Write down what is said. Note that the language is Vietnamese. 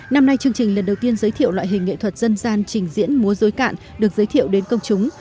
năm nay chương trình lần đầu tiên giới thiệu loại hình nghệ thuật dân gian trình diễn múa dối cạn được giới thiệu đến công chúng